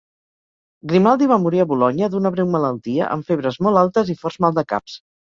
Grimaldi va morir a Bolonya d'una breu malaltia amb febres molt altes i forts maldecaps.